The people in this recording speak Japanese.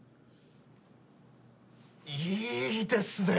いいですね！